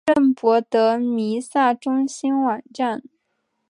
圣博德弥撒中心网站